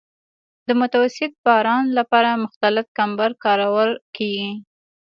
د متوسط باران لپاره مختلط کمبر کارول کیږي